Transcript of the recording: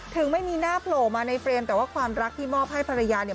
ถึงไม่มีหน้าโผล่มาในเฟรมแต่ว่าความรักที่มอบให้ภรรยาเนี่ย